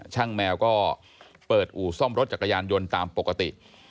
แมวก็เปิดอู่ซ่อมรถจักรยานยนต์ตามปกติ